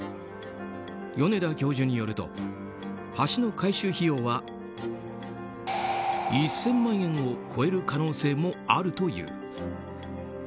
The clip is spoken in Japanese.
米田教授によると橋の改修費用は１０００万円を超える可能性もあるという。